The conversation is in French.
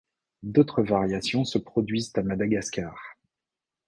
D'autres variations se produisent à Madagascar.